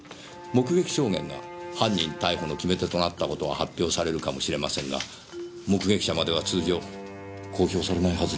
目撃証言が犯人逮捕の決め手となった事は発表されるかもしれませんが目撃者までは通常公表されないはずですからね。